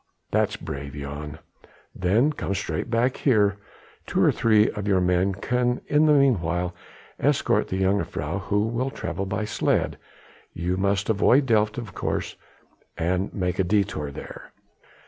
"That's brave, Jan. Then come straight back here; two or three of your men can in the meanwhile escort the jongejuffrouw, who will travel by sledge. You must avoid Delft of course, and make a détour there."